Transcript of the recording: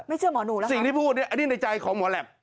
ไม่เชื่อหมอหนูหรือครับสิ่งที่พูดอันนี้ในใจของหมอแหลป